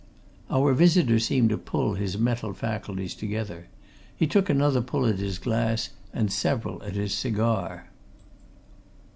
Our visitor seemed to pull his mental faculties together. He took another pull at his glass and several at his cigar.